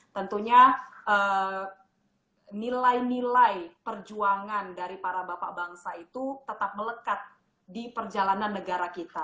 tentunya nilai nilai perjuangan dari para bapak bangsa itu tetap melekat di perjalanan negara kita